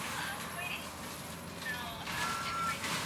watafanya kazi kwa kasi kuhakikisha jamhuri ya kidemokrasia ya Kongo